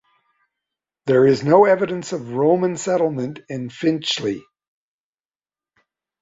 There is no evidence of Roman settlement in Finchley.